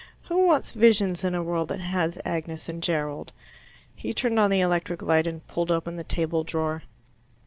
Who wants visions in a world that has Agnes and Gerald?" He turned on the electric light and pulled open the table drawer.